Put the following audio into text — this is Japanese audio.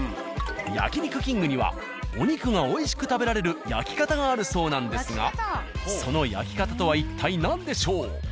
「焼肉きんぐ」にはお肉が美味しく食べられる焼き方があるそうなんですがその焼き方とは一体何でしょう？